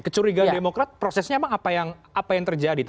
kecurigaan demokrat prosesnya emang apa yang terjadi